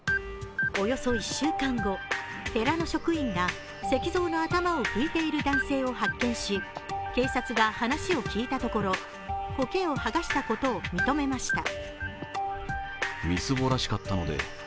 およそ１週間後、寺の職員が石像の頭を拭いている男性を発見し、警察が話を聞いたところこけを剥がしたことを認めました。